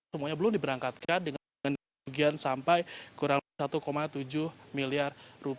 semuanya belum diberangkatkan dengan kerugian sampai kurang rp satu tujuh miliar